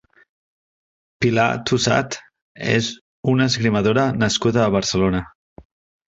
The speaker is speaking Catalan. Pilar Tosat és una esgrimidora nascuda a Barcelona.